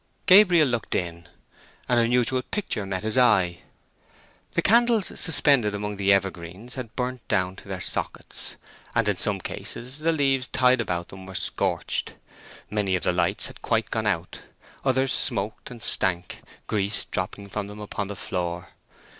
Gabriel looked in. An unusual picture met his eye. The candles suspended among the evergreens had burnt down to their sockets, and in some cases the leaves tied about them were scorched. Many of the lights had quite gone out, others smoked and stank, grease dropping from them upon the floor.